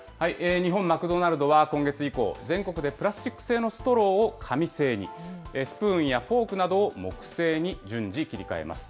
日本マクドナルドは今月以降、全国でプラスチック製のストローを紙製に、スプーンやフォークなどを木製に順次、切り替えます。